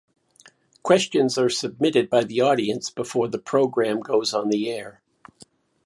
Questions are submitted by the audience before the programme goes on air.